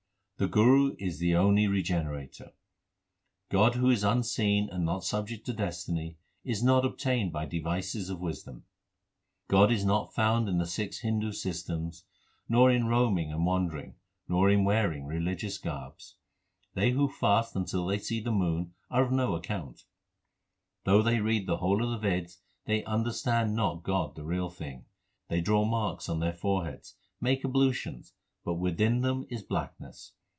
The Guru is the only regenerator : God who is unseen and not subject to destiny, is not obtained by devices of wisdom. God is not found in the six Hindu systems, nor in roaming and wandering, nor in wearing religious garbs. They who fast until they see the moon 2 are of no account. Though they read the whole of the Veds, they understand not God the real thing. They draw marks on their foreheads, make ablutions, but within them is blackness.